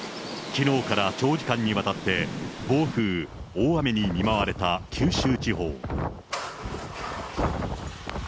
きのうから長時間にわたって、暴風、大雨に見舞われた九州地方。